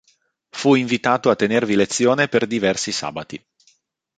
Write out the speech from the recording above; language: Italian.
Fu invitato a tenervi lezione per diversi sabati.